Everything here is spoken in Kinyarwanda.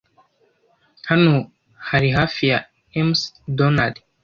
Hano hari hafi ya McDonald?